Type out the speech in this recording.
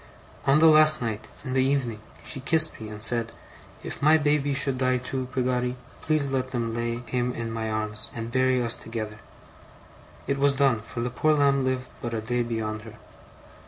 'On the last night, in the evening, she kissed me, and said: "If my baby should die too, Peggotty, please let them lay him in my arms, and bury us together." (It was done; for the poor lamb lived but a day beyond her.)